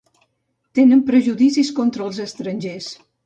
Tenen prejudicis contra els estrangers.